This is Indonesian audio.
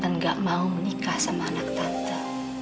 dan gak mau menikah sama anak tante